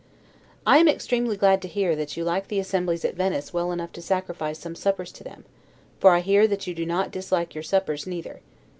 I am extremely glad to hear that you like the assemblies at Venice well enough to sacrifice some suppers to them; for I hear that you do not dislike your suppers neither.